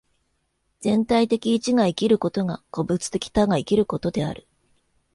全体的一が生きることが個物的多が生きることである。